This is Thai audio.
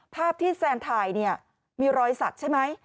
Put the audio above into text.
ภาพที่แซนถ่ายเนี่ยมีรอยสักใช่ไหม